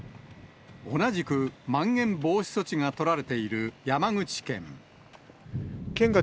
同じく、まん延防止措置が取られている山口県。